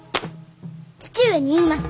父上に言います。